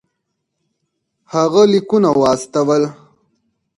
هغه لیکونه واستول.